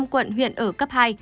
năm quận huyện ở cấp hai